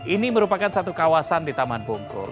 ini merupakan satu kawasan di taman bungkur